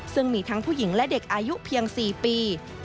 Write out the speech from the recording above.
ซึ่งมีทั้งผู้หญิงและเด็กอายุเพียง๔ปี